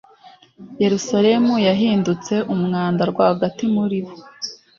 Yeruzalemu yahindutse umwanda rwagati muri bo.